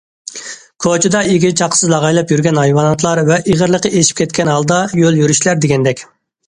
كوچىدا ئىگە- چاقىسىز لاغايلاپ يۈرگەن ھايۋاناتلار ۋە ئېغىرلىقى ئېشىپ كەتكەن ھالدا يول يۈرۈشلەر دېگەندەك.